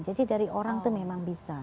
jadi dari orang itu memang bisa